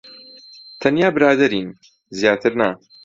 تەنیا برادەرین. زیاتر نا.